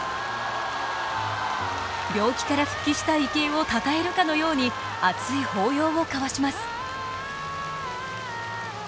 病気から復帰した池江をたたえるかのように熱い抱擁を交わします。